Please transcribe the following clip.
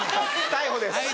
逮捕です。